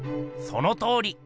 そのとおり！